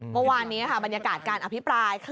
เมื่อวานนี้ค่ะบรรยากาศการอภิปราย